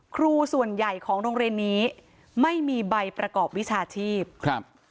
ครูส่วนใหญ่ของโรงเรียนนี้ไม่มีใบประกอบวิชาชีพครับ